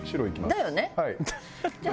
「だよね？」